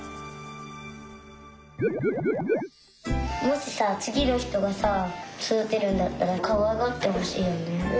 もしさつぎのひとがさそだてるんだったらかわいがってほしいよね。